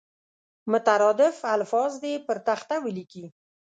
مترادف الفاظ دې پر تخته ولیکي.